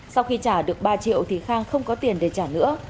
sau khi trả được ba triệu thì khang không có tiền để trả nữa